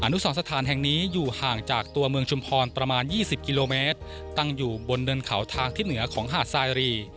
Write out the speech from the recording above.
นุสรสถานแห่งนี้อยู่ห่างจากตัวเมืองชุมพรประมาณ๒๐กิโลเมตรตั้งอยู่บนเนินเขาทางที่เหนือของหาดสายรี